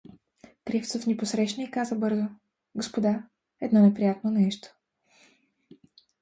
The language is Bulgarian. Кривцов ни посрещна и каза бързо: — Господа, едно неприятно нещо!